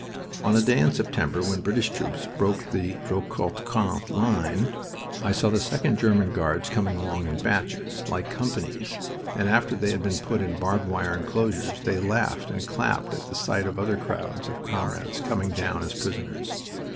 On a day in September, when British troops broke the Drocourt Queant line, I saw the Second German Guards coming along in batches, like companies, and after they had been put in barbed wire inclosures they laughed and clapped at the sight of other crowds of comrades coming down as prisoners.